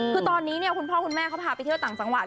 คือตอนนี้คุณพ่อคุณแม่เขาพาไปเที่ยวต่างจังหวัด